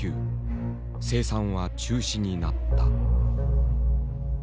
生産は中止になった。